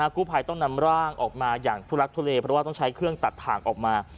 กู้ภัยต้องนำร่างออกมาอย่างทุลักทุเลเพราะว่าต้องใช้เครื่องตัดถ่างออกมา